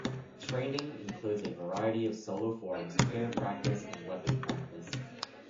Training includes a variety of solo forms, pair practise, and weapon practise.